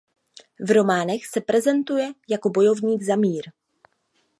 V románech se prezentuje jako bojovník za mír.